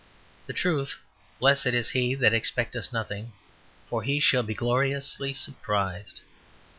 The truth "Blessed is he that expecteth nothing, for he shall be gloriously surprised."